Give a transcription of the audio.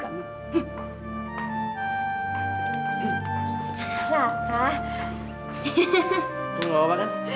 kamu juga gak apa apa kan